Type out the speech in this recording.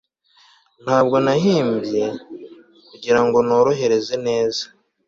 ntabwo nahimbye, kugirango norohereze neza